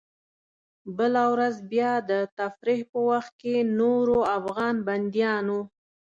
بله ورځ بیا د تفریح په وخت کې نورو افغان بندیانو.